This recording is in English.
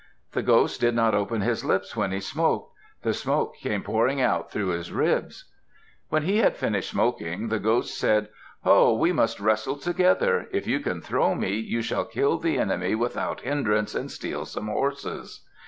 The ghost did not open his lips when he smoked. The smoke came pouring out through his ribs. When he had finished smoking, the ghost said, "Ho! we must wrestle together. If you can throw me, you shall kill the enemy without hindrance and steal some horses."